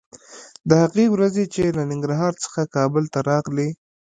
د هغې ورځې چې له ننګرهار څخه کابل ته راغلې